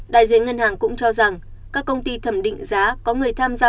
đại diện ngân hàng cũng cho rằng các công ty thẩm định giá có người tham gia